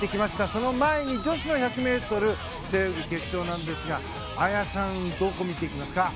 その前に女子の１００ｍ背泳ぎ決勝なんですが綾さん、どこを見ていきますか？